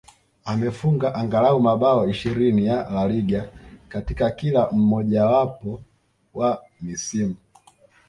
Amefunga angalau mabao ishirini ya La Liga katika kila mmojawapo wa misimu